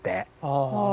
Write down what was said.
ああ。